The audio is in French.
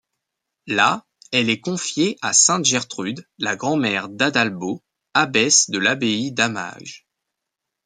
Là, elle est confiée à sainte Gertrude, la grand-mère d'Adalbaut, abbesse de l'abbaye d'Hamage.